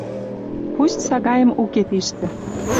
Пусть сагаэм уке тиштӹ